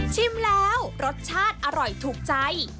ชิมแล้วรสชาติอร่อยถูกใจ